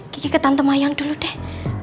gigi ke tante mayang dulu deh